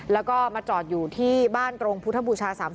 แล้วก็มาจอดอยู่ที่บ้านตรงพุทธบูชา๓๐